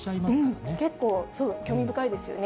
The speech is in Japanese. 結構そう、興味深いですよね。